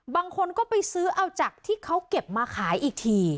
บางคนก็ไปซื้อเอาจากที่เขาเก็บมาขายอีกที